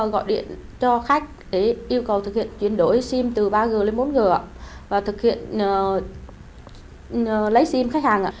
gọi điện cho khách để yêu cầu thực hiện chuyển đổi sim từ ba g lên bốn g và thực hiện lấy sim khách hàng